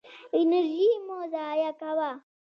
انرژي مه ضایع کوه.